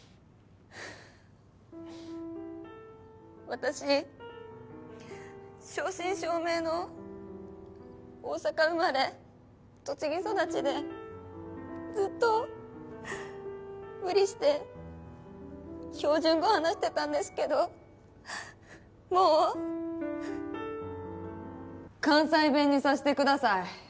私正真正銘の大阪生まれ栃木育ちでずっと無理して標準語話してたんですけどもう関西弁にさせてください。